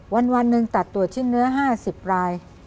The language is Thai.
วันหนึ่งตัดตรวจชิ้นเนื้อ๕๐ราย